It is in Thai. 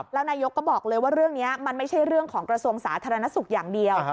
แล้วนายกก็บอกเลยว่าเรื่องนี้มันไม่ใช่เรื่องของกระทรวงสาธารณสุขอย่างเดียว